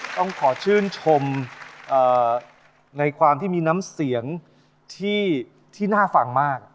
ต้องขอชื่นชมในความที่มีน้ำเสียงที่น่าฟังมาก